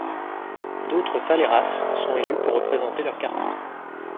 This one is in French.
D'autres falleras sont élues pour représenter leur quartier.